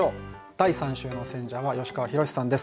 第３週の選者は吉川宏志さんです。